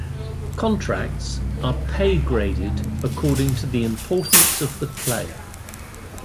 Contracts are pay graded according to the importance of the player.